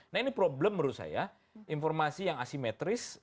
nah ini problem menurut saya informasi yang asimetris